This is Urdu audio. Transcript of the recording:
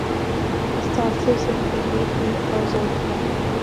اس تاثر سے تحریک نے اور زور پکڑا۔